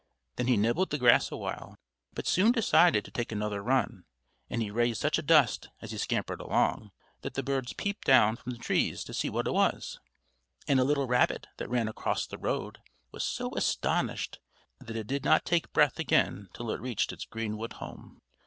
Then he nibbled the grass awhile, but soon decided to take another run; and he raised such a dust, as he scampered along, that the birds peeped down from the trees to see what it was, and a little rabbit that ran across the road was so astonished that it did not take breath again till it reached its greenwood home.